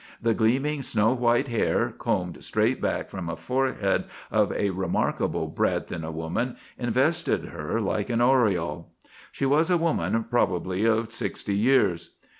The gleaming, snow white hair, combed straight back from a forehead of a remarkable breadth in a woman, invested her like an aureole. She was a woman probably of sixty years.